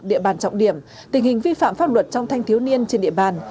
địa bàn trọng điểm tình hình vi phạm pháp luật trong thanh thiếu niên trên địa bàn